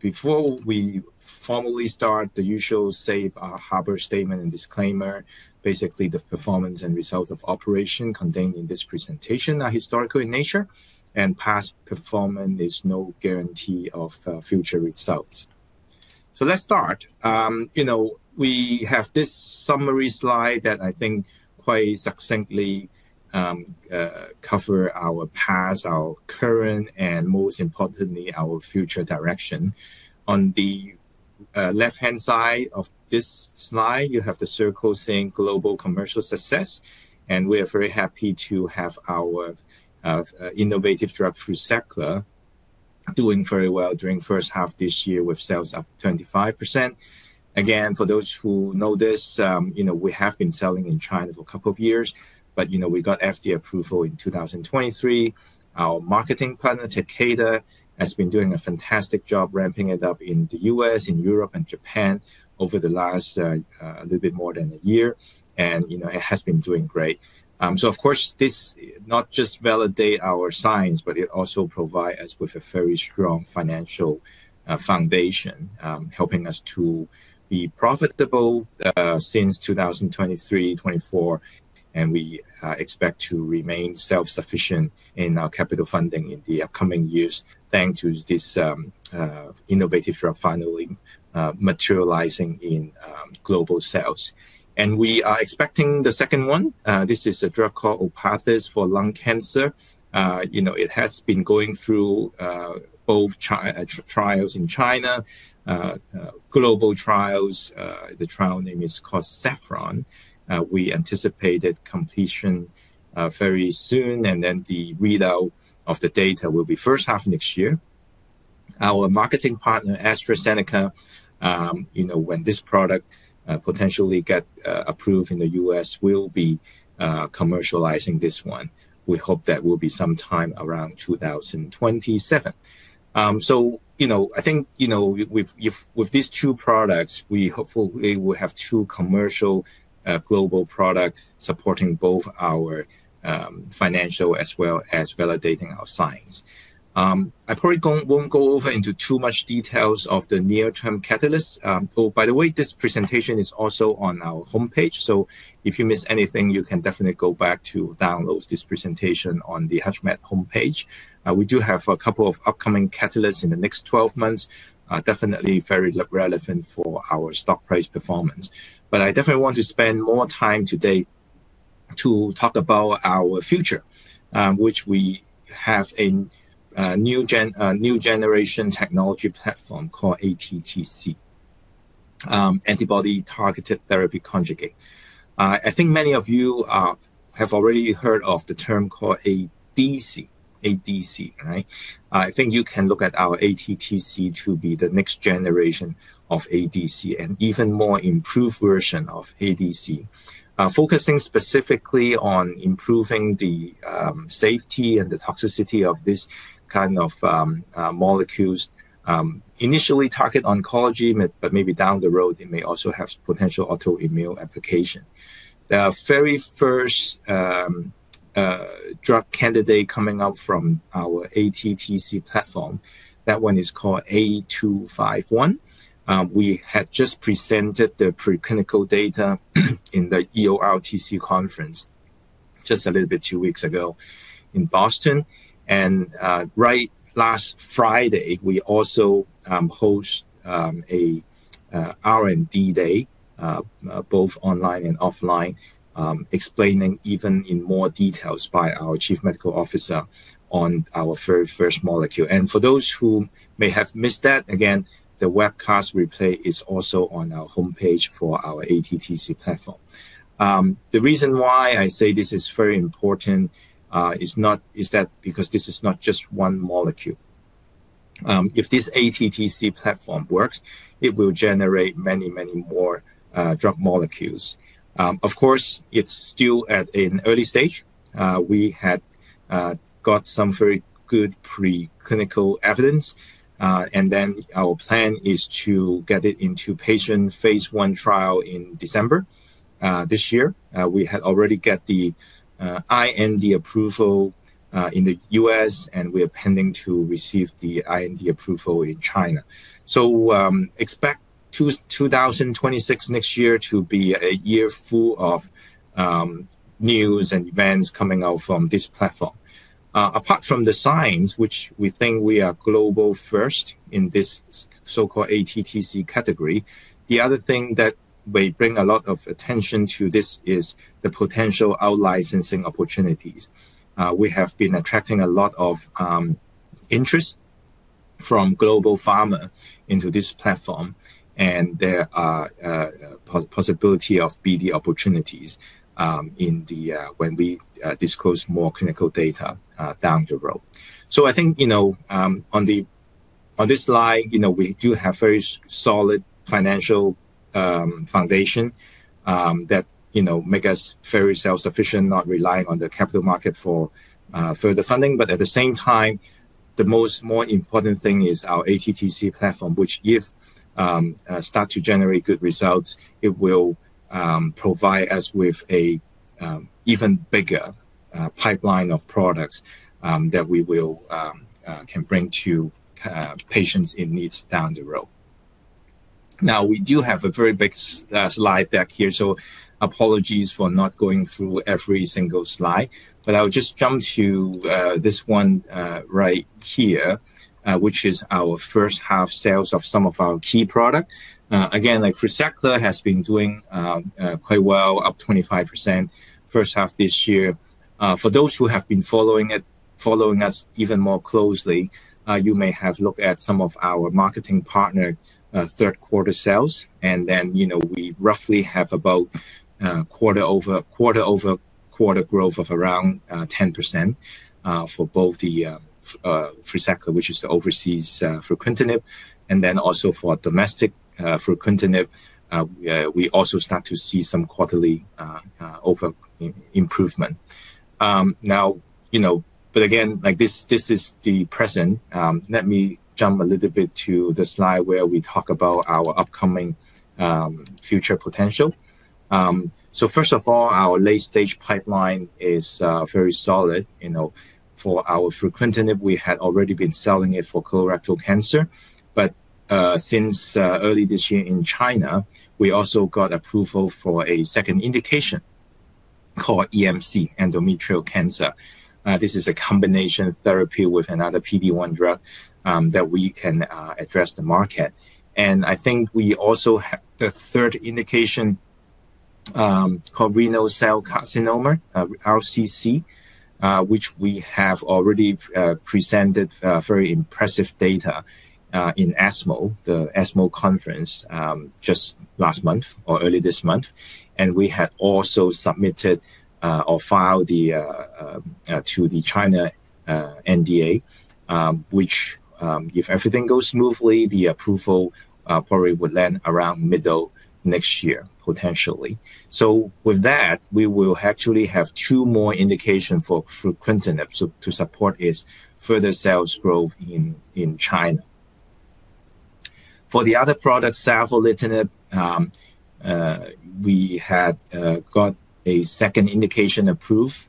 Before we formally start, the usual safe harbor statement and disclaimer. Basically, the performance and results of operation contained in this presentation are historical in nature, and past performance is no guarantee of future results. Let's start. You know, we have this summary slide that I think quite succinctly covers our past, our current, and most importantly, our future direction. On the left-hand side of this slide, you have the circle saying "Global Commercial Success," and we are very happy to have our innovative drug-free sector doing very well during the first half of this year with sales up 25%. Again, for those who know this, you know, we have been selling in China for a couple of years, but, you know, we got FDA approval in 2023. Our marketing partner, Takeda, has been doing a fantastic job ramping it up in the US, in Europe, and Japan over the last little bit more than a year, and, you know, it has been doing great. Of course, this not just validates our science, but it also provides us with a very strong financial foundation, helping us to be profitable since 2023, 2024, and we expect to remain self-sufficient in our capital funding in the upcoming years thanks to this innovative drug finally materializing in global sales. We are expecting the second one. This is a drug called ORPATHYS for lung cancer. You know, it has been going through both China trials and global trials. The trial name is called Saffron. We anticipate completion very soon, and then the readout of the data will be the first half of next year. Our marketing partner, AstraZeneca, you know, when this product potentially gets approved in the US, will be commercializing this one. We hope that will be sometime around 2027. You know, I think with these two products, we hopefully will have two commercial global products supporting both our financial as well as validating our science. I probably won't go over into too much details of the near-term catalysts. Oh, by the way, this presentation is also on our homepage, so if you miss anything, you can definitely go back to download this presentation on the HUTCHMED homepage. We do have a couple of upcoming catalysts in the next 12 months, definitely very relevant for our stock price performance. I definitely want to spend more time today to talk about our future, which we have in new generation technology platform called ATTC, Antibody Targeted Therapy Conjugate. I think many of you have already heard of the term called ADC, ADC, right? I think you can look at our ATTC to be the next generation of ADC and even more improved version of ADC, focusing specifically on improving the safety and the toxicity of this kind of molecules, initially target oncology, but maybe down the road, it may also have potential autoimmune application. The very first drug candidate coming up from our ATTC platform, that one is called A251. We had just presented the preclinical data in the EORTC conference just a little bit two weeks ago in Boston. Right last Friday, we also hosted an R&D day, both online and offline, explaining even in more detail by our Chief Medical Officer on our very first molecule. For those who may have missed that, again, the webcast replay is also on our homepage for our ATTC platform. The reason why I say this is very important is not, is that because this is not just one molecule. If this ATTC platform works, it will generate many, many more drug molecules. Of course, it is still at an early stage. We had got some very good preclinical evidence, and then our plan is to get it into patient phase one trial in December this year. We had already got the IND approval in the U.S., and we are pending to receive the IND approval in China. Expect 2026 next year to be a year full of news and events coming out from this platform. Apart from the science, which we think we are global first in this so-called ATTC category, the other thing that we bring a lot of attention to this is the potential outlicensing opportunities. We have been attracting a lot of interest from global pharma into this platform, and there are possibilities of BD opportunities when we disclose more clinical data down the road. I think, you know, on this slide, we do have very solid financial foundation that makes us very self-sufficient, not relying on the capital market for further funding. At the same time, the more important thing is our ATTC platform, which if it starts to generate good results, it will provide us with an even bigger pipeline of products that we can bring to patients in need down the road. Now, we do have a very big slide deck here, so apologies for not going through every single slide, but I'll just jump to this one right here, which is our first half sales of some of our key products. Again, like HUTCHMED has been doing, quite well, up 25% first half this year. For those who have been following us even more closely, you may have looked at some of our marketing partner third quarter sales, and then, you know, we roughly have about quarter over quarter growth of around 10% for both the HUTCHMED, which is the overseas fruquintinib, and then also for domestic fruquintinib. We also start to see some quarterly over improvement. Now, you know, this is the present. Let me jump a little bit to the slide where we talk about our upcoming future potential. So first of all, our late-stage pipeline is very solid, you know, for our FRUZAQLA. We had already been selling it for colorectal cancer, but since early this year in China, we also got approval for a second indication called EMC, endometrial cancer. This is a combination therapy with another PD-1 drug that we can address the market. I think we also have the third indication called renal cell carcinoma, RCC, which we have already presented very impressive data in ESMO, the ESMO conference, just last month or early this month. We had also submitted, or filed, to the China NDA, which, if everything goes smoothly, the approval probably would land around middle next year, potentially. With that, we will actually have two more indications for Fruquintinib to support its further sales growth in China. For the other product, Savolitinib, we had got a second indication approved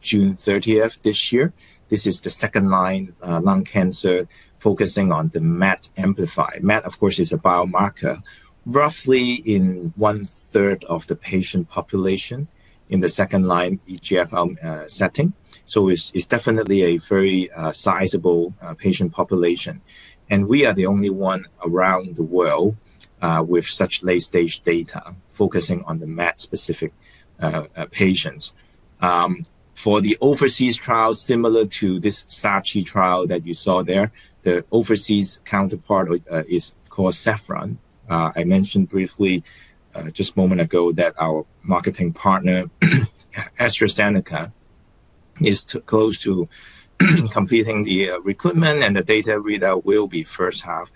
June 30 this year. This is the second line lung cancer focusing on the MET amplifier. MET, of course, is a biomarker, roughly in one third of the patient population in the second line EGFR setting. It's definitely a very sizable patient population. We are the only one around the world with such late-stage data focusing on the MET-specific patients. For the overseas trial, similar to this SACHI trial that you saw there, the overseas counterpart is called Saffron. I mentioned briefly just a moment ago that our marketing partner, AstraZeneca, is close to completing the recruitment and the data readout will be first half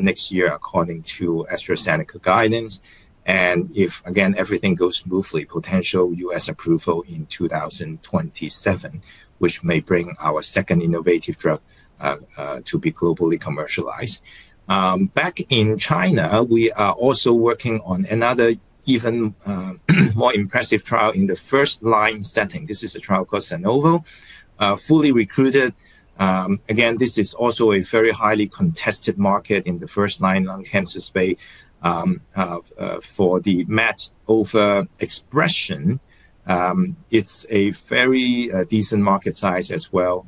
next year according to AstraZeneca guidance. If, again, everything goes smoothly, potential US approval in 2027, which may bring our second innovative drug to be globally commercialized. Back in China, we are also working on another even more impressive trial in the first line setting. This is a trial called SANOVO, fully recruited. Again, this is also a very highly contested market in the first line lung cancer space for the MET overexpression. It's a very decent market size as well,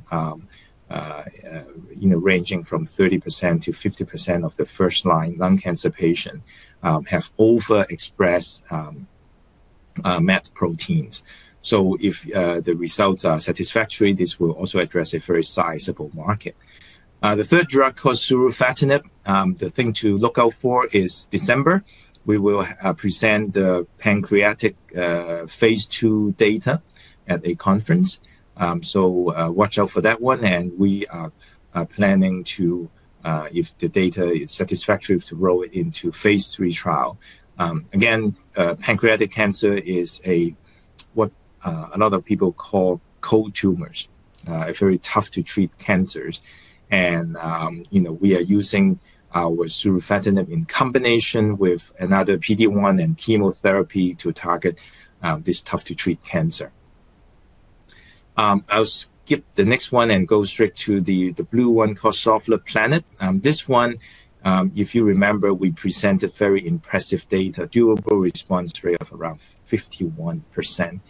you know, ranging from 30%-50% of the first line lung cancer patients have overexpressed MET proteins. If the results are satisfactory, this will also address a very sizable market. The third drug called surufatinib, the thing to look out for is December. We will present the pancreatic phase two data at a conference, so watch out for that one. We are planning to, if the data is satisfactory, to roll it into phase three trial. Again, pancreatic cancer is what a lot of people call cold tumors, very tough-to-treat cancers. You know, we are using our Surufatinib in combination with another PD-1 and chemotherapy to target this tough-to-treat cancer. I'll skip the next one and go straight to the blue one called [serplulimab]. This one, if you remember, we presented very impressive data, durable response rate of around 51%.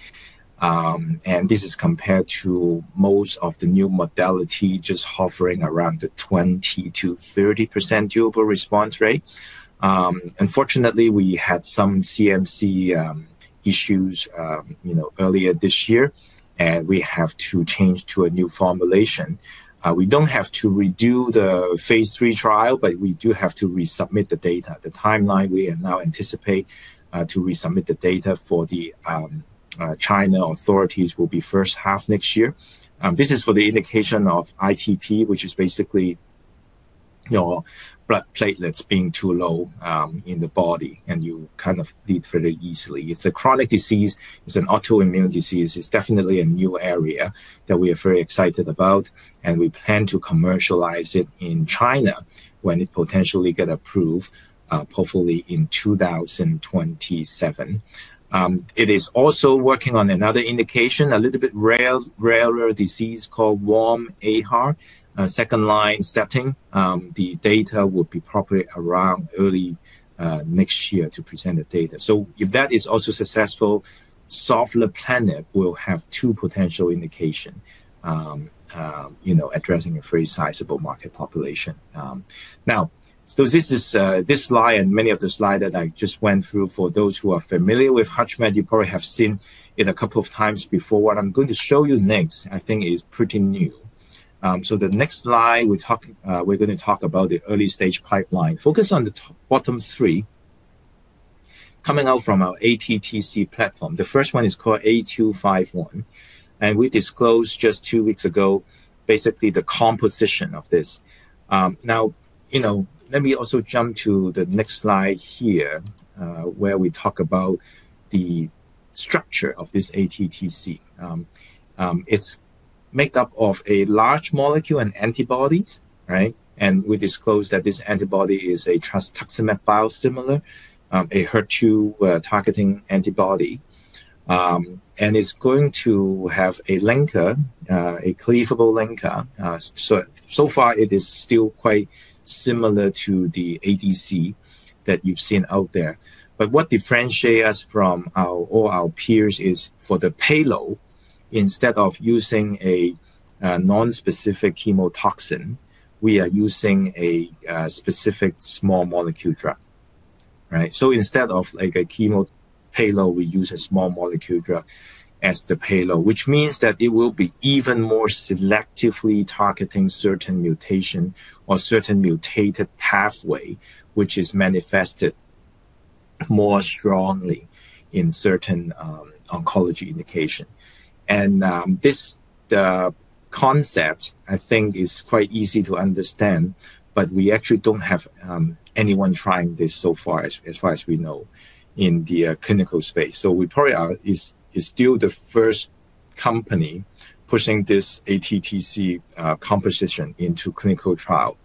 And this is compared to most of the new modality, just hovering around the 20%-30% durable response rate. Unfortunately, we had some CMC issues, you know, earlier this year, and we have to change to a new formulation. We do not have to redo the phase three trial, but we do have to resubmit the data. The timeline we are now anticipate, to resubmit the data for the China authorities will be first half next year. This is for the indication of ITP, which is basically your blood platelets being too low in the body, and you kind of bleed very easily. It is a chronic disease. It is an autoimmune disease. It is definitely a new area that we are very excited about, and we plan to commercialize it in China when it potentially gets approved, hopefully in 2027. It is also working on another indication, a little bit rarer disease called WARM-AIHA, second line setting. The data would be probably around early next year to present the data. If that is also successful, SOFPLA will have two potential indications, you know, addressing a very sizable market population. Now, this is, this slide and many of the slides that I just went through. For those who are familiar with HUTCHMED, you probably have seen it a couple of times before. What I am going to show you next, I think, is pretty new. The next slide we talk, we are going to talk about the early stage pipeline. Focus on the bottom three coming out from our ATTC platform. The first one is called A251, and we disclosed just two weeks ago, basically the composition of this. Now, you know, let me also jump to the next slide here, where we talk about the structure of this ATTC. It is made up of a large molecule and antibodies, right? And we disclosed that this antibody is a trastuzumab biosimilar, a HER2 targeting antibody. And it is going to have a linker, a cleavable linker. So, so far, it is still quite similar to the ADC that you have seen out there. What differentiates us from all our peers is for the payload, instead of using a non-specific chemotoxin, we are using a specific small molecule drug, right? Instead of like a chemo payload, we use a small molecule drug as the payload, which means that it will be even more selectively targeting certain mutation or certain mutated pathway, which is manifested more strongly in certain oncology indication. The concept, I think, is quite easy to understand, but we actually do not have anyone trying this so far, as far as we know, in the clinical space. We probably are, it is still the first company pushing this ATTC composition into clinical trial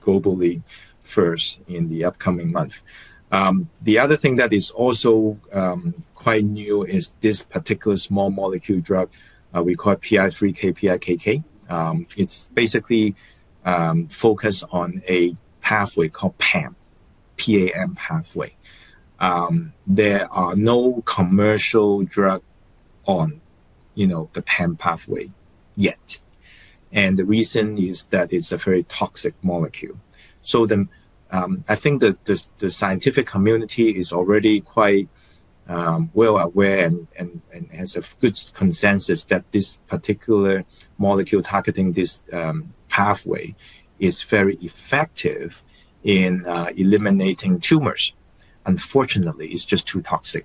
globally first in the upcoming month. The other thing that is also quite new is this particular small molecule drug, we call PI3KPIKK. It is basically focused on a pathway called PAM, PAM pathway. There are no commercial drugs on, you know, the PAM pathway yet. The reason is that it is a very toxic molecule. I think the scientific community is already quite well aware and has a good consensus that this particular molecule targeting this pathway is very effective in eliminating tumors. Unfortunately, it is just too toxic.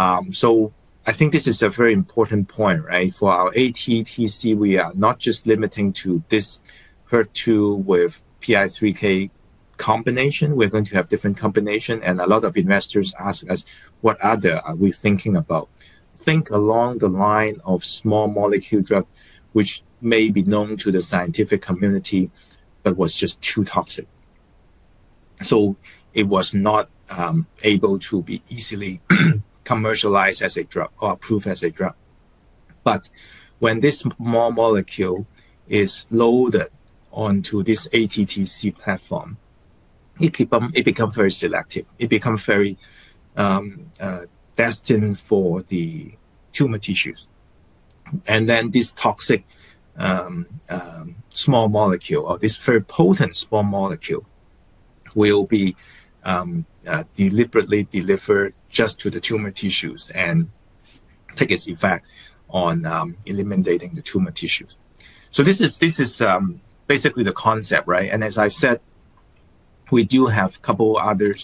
I think this is a very important point, right? For our ATTC, we are not just limiting to this HER2 with PI3K combination. We are going to have different combinations. A lot of investors ask us, what other are we thinking about? Think along the line of small molecule drug, which may be known to the scientific community, but was just too toxic. It was not able to be easily commercialized as a drug or approved as a drug. When this small molecule is loaded onto this ATTC platform, it becomes very selective. It becomes very destined for the tumor tissues. Then this toxic small molecule or this very potent small molecule will be deliberately delivered just to the tumor tissues and take its effect on eliminating the tumor tissues. This is basically the concept, right? As I have said, we do have a couple other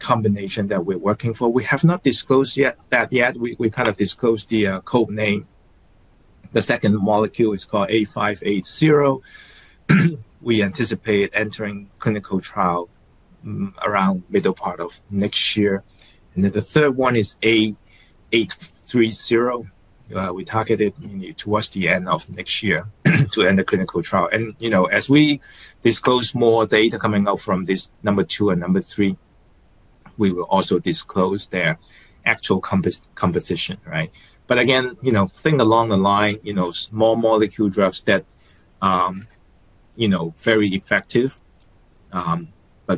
combinations that we are working for. We have not disclosed that yet. We kind of disclosed the code name. The second molecule is called A580. We anticipate entering clinical trial around the middle part of next year. The third one is A830. We target it towards the end of next year to enter the clinical trial. As we disclose more data coming out from this number two and number three, we will also disclose their actual composition, right? Again, think along the line, small molecule drugs that are very effective, but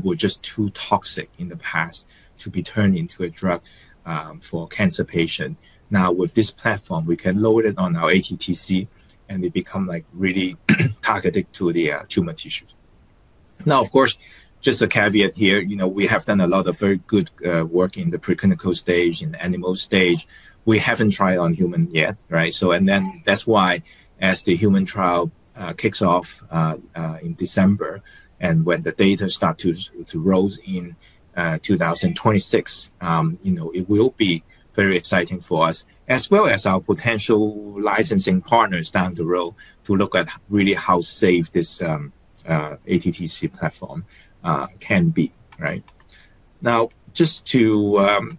were just too toxic in the past to be turned into a drug for cancer patients. Now, with this platform, we can load it on our ATTC and it becomes really targeted to the tumor tissues. Of course, just a caveat here, we have done a lot of very good work in the preclinical stage and animal stage. We have not tried on humans yet, right? That is why as the human trial kicks off in December and when the data starts to roll in, 2026, it will be very exciting for us as well as our potential licensing partners down the road to look at really how safe this ATTC platform can be, right? Just to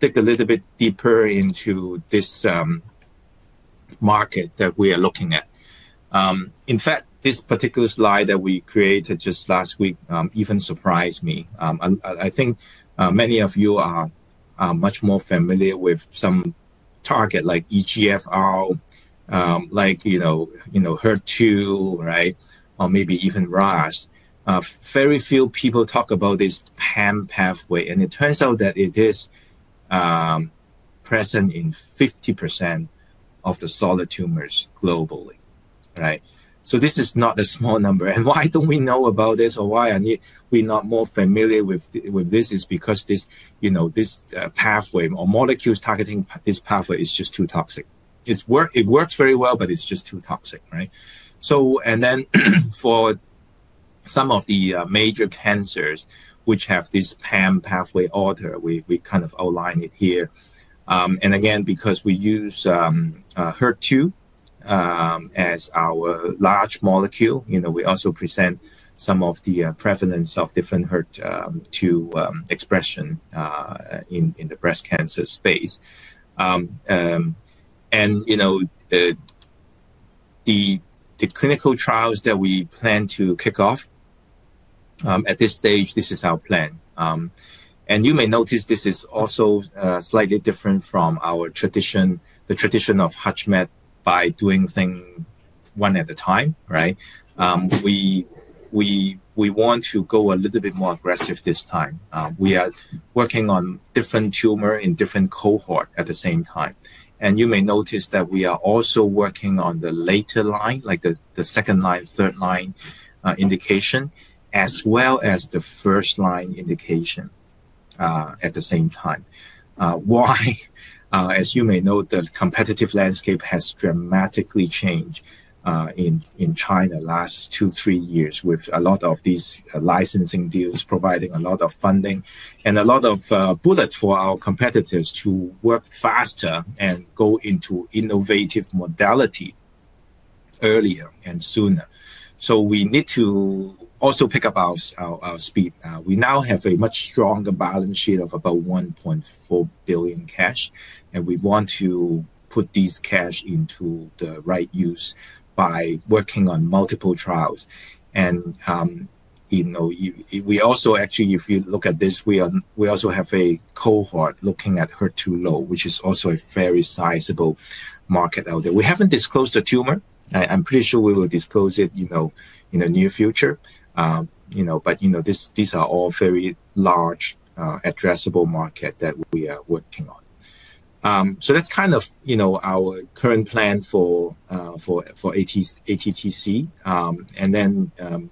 dig a little bit deeper into this market that we are looking at, in fact, this particular slide that we created just last week even surprised me. I think many of you are much more familiar with some targets like EGFR, like HER2, right? Or maybe even RAS. Very few people talk about this PAM pathway, and it turns out that it is present in 50% of the solid tumors globally, right? This is not a small number. Why do not we know about this or why are we not more familiar with this is because this pathway or molecules targeting this pathway is just too toxic. It works very well, but it is just too toxic, right? For some of the major cancers which have this PAM pathway order, we kind of outline it here. Again, because we use HER2 as our large molecule, we also present some of the prevalence of different HER2 expression in the breast cancer space. You know, the clinical trials that we plan to kick off at this stage, this is our plan. You may notice this is also slightly different from our tradition, the tradition of HUTCHMED by doing things one at a time, right? We want to go a little bit more aggressive this time. We are working on different tumors in different cohorts at the same time. You may notice that we are also working on the later line, like the second line, third line indication, as well as the first line indication, at the same time. As you may know, the competitive landscape has dramatically changed in China the last two, three years with a lot of these licensing deals providing a lot of funding and a lot of bullets for our competitors to work faster and go into innovative modality earlier and sooner. We need to also pick up our speed. We now have a much stronger balance sheet of about $1.4 billion cash, and we want to put this cash into the right use by working on multiple trials. If you look at this, we also have a cohort looking at HER2 low, which is also a very sizable market out there. We have not disclosed the tumor. I am pretty sure we will disclose it in the near future. These are all very large addressable markets that we are working on. That is kind of our current plan for ATTC.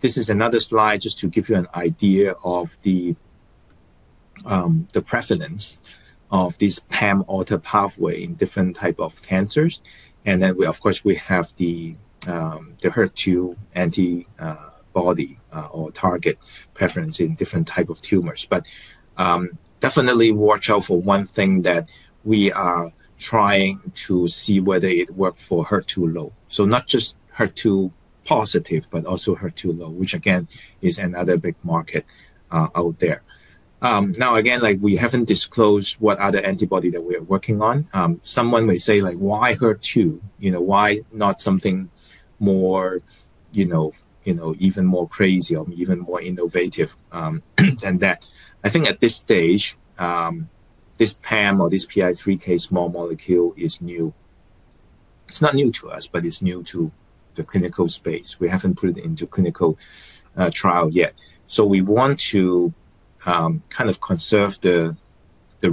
This is another slide just to give you an idea of the prevalence of this PAM altered pathway in different types of cancers. Of course, we have the HER2 antibody or target preference in different types of tumors. Definitely watch out for one thing that we are trying to see whether it works for HER2 low. Not just HER2 positive, but also HER2 low, which again is another big market out there. Again, we have not disclosed what other antibody that we are working on. Someone may say like, why HER2, you know, why not something more, you know, even more crazy or even more innovative than that. I think at this stage, this PAM or this PI3K small molecule is new. It's not new to us, but it's new to the clinical space. We haven't put it into clinical trial yet. We want to kind of conserve the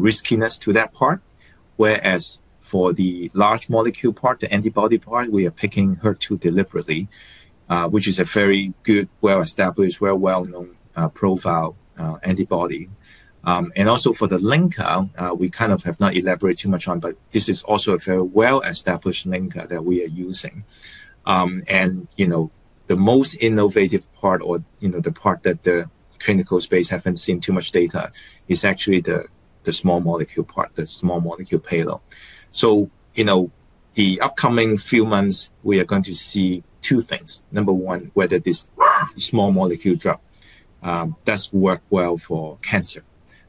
riskiness to that part. Whereas for the large molecule part, the antibody part, we are picking HER2 deliberately, which is a very good, well-established, very well-known profile antibody. Also for the linker, we kind of have not elaborated too much on, but this is also a very well-established linker that we are using. You know, the most innovative part, or the part that the clinical space hasn't seen too much data is actually the small molecule part, the small molecule payload. The upcoming few months, we are going to see two things. Number one, whether this small molecule drug does work well for cancer.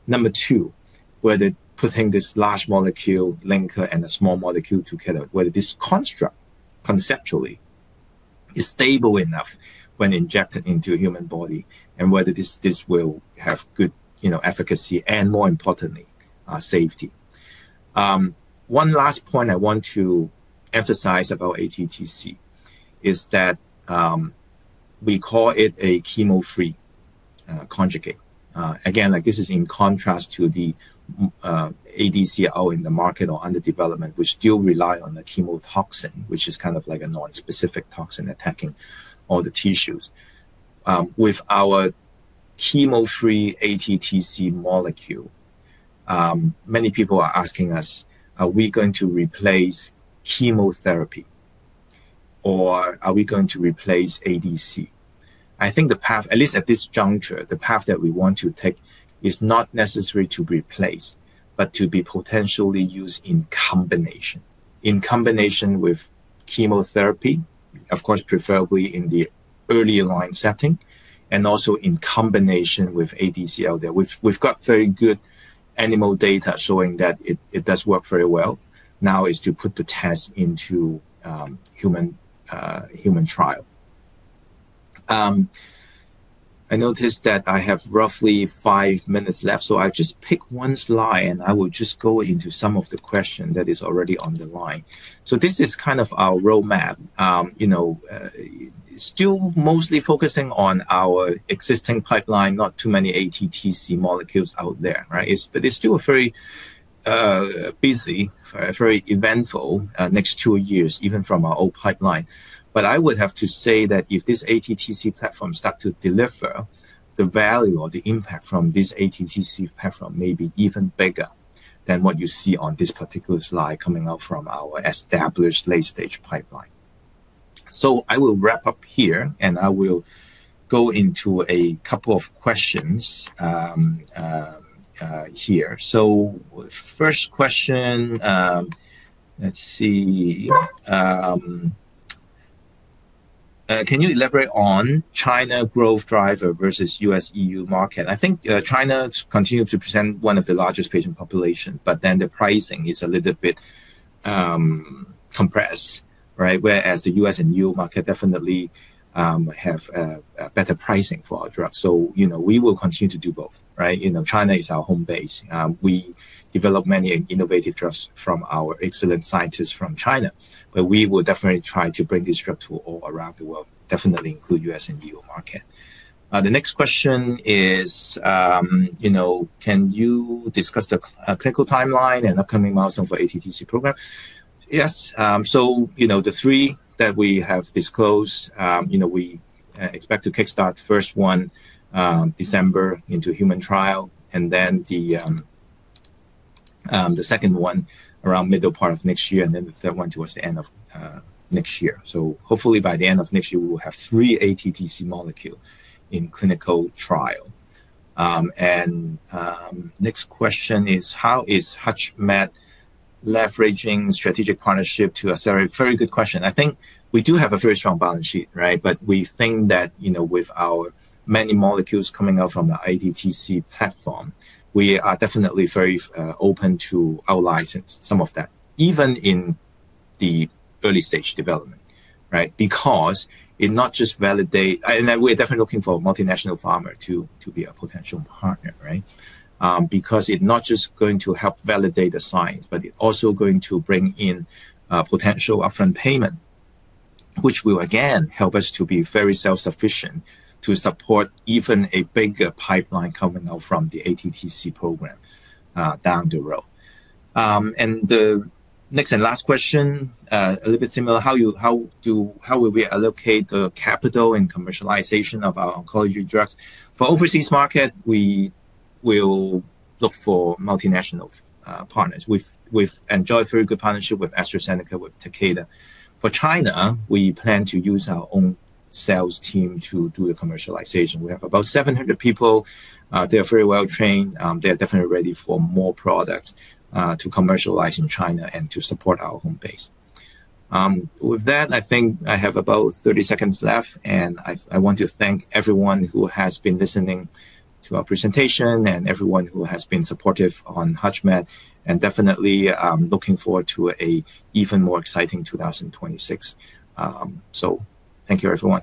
Number two, whether putting this large molecule linker and a small molecule together, whether this construct conceptually is stable enough when injected into a human body and whether this will have good efficacy and more importantly, safety. One last point I want to emphasize about ATTC is that we call it a chemo free conjugate. Again, this is in contrast to the ADC out in the market or under development, which still rely on the chemotoxin, which is kind of like a non-specific toxin attacking all the tissues. With our chemo free ATTC molecule, many people are asking us, are we going to replace chemotherapy or are we going to replace ADC? I think the path, at least at this juncture, the path that we want to take is not necessarily to replace, but to be potentially used in combination, in combination with chemotherapy, of course, preferably in the early line setting, and also in combination with ADC out there. We've got very good animal data showing that it does work very well. Now is to put the test into human trial. I noticed that I have roughly five minutes left, so I'll just pick one slide and I will just go into some of the questions that are already on the line. This is kind of our roadmap, still mostly focusing on our existing pipeline, not too many ATTC molecules out there, right? It's still a very busy, very eventful next two years, even from our old pipeline. I would have to say that if this ATTC platform starts to deliver the value or the impact from this ATTC platform, maybe even bigger than what you see on this particular slide coming out from our established late stage pipeline. I will wrap up here and I will go into a couple of questions here. First question, let's see. Can you elaborate on China growth driver versus US EU market? I think China continues to present one of the largest patient populations, but then the pricing is a little bit compressed, right? Whereas the US and EU market definitely have better pricing for our drugs. You know, we will continue to do both, right? China is our home base. We develop many innovative drugs from our excellent scientists from China, but we will definitely try to bring this drug to all around the world, definitely include US and EU market. The next question is, you know, can you discuss the clinical timeline and upcoming milestones for ATTC program? Yes. The three that we have disclosed, we expect to kickstart the first one December into human trial, and then the second one around the middle part of next year, and then the third one towards the end of next year. Hopefully by the end of next year, we will have three ATTC molecules in clinical trial. Next question is, how is HUTCHMED leveraging strategic partnership to a very, very good question. I think we do have a very strong balance sheet, right? We think that, you know, with our many molecules coming out from the ATTC platform, we are definitely very open to outlying some of that, even in the early stage development, right? Because it not just validate, and we're definitely looking for a multinational pharma to be a potential partner, right? Because it not just going to help validate the science, but it also going to bring in potential upfront payment, which will again help us to be very self-sufficient to support even a bigger pipeline coming out from the ATTC program down the road. The next and last question, a little bit similar, how do, how will we allocate the capital and commercialization of our oncology drugs? For the overseas market, we will look for multinational partners. We've enjoyed a very good partnership with AstraZeneca, with Takeda. For China, we plan to use our own sales team to do the commercialization. We have about 700 people. They're very well trained. They're definitely ready for more products to commercialize in China and to support our home base. With that, I think I have about 30 seconds left, and I want to thank everyone who has been listening to our presentation and everyone who has been supportive on HUTCHMED and definitely looking forward to an even more exciting 2026. Thank you everyone.